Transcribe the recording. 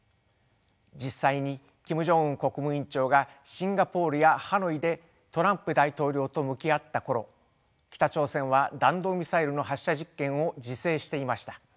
実際にキム・ジョンウン国務委員長がシンガポールやハノイでトランプ大統領と向き合った頃北朝鮮は弾道ミサイルの発射実験を自制していました。